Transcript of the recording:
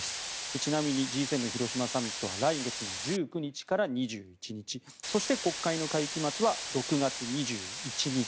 ちなみにＧ７広島サミットは来月１９日から２１日そして、国会の会期末は６月２１日。